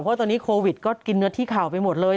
เพราะตอนนี้โควิดก็กินเนื้อที่เข่าไปหมดเลย